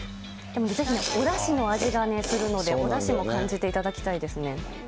でも、ぜひね、おだしの味がするので、おだしも感じていただきたいですね。